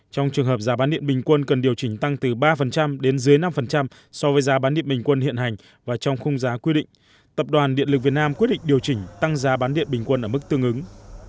trong trường hợp giá bán điện bình quân cần điều chỉnh tăng từ ba đến dưới năm so với giá bán điện bình quân hiện hành và trong khung giá quy định tập đoàn điện lực việt nam quyết định điều chỉnh tăng giá bán điện bình quân ở mức tương ứng